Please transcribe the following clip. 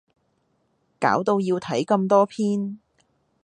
搞到要睇咁多篇